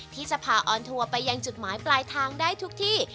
ที่จะพาออนทัวร์ไปยังจุดหมายปลายทางได้ทุกที่